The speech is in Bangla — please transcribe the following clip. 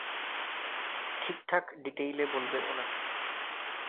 ঠিকঠাক ডিটেইলে বলবে ওনাকে।